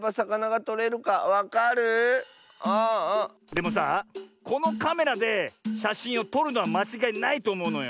でもさこのカメラでしゃしんをとるのはまちがいないとおもうのよ。